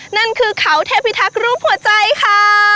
นั่นคือเขาเทพิทักษ์รูปหัวใจค่ะ